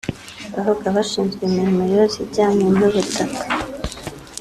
Babaga bashinzwe imirimo yose ijyanye n’ubutaka